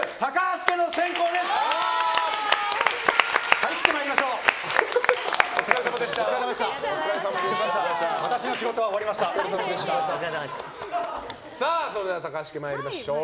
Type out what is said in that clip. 張り切って参りましょう！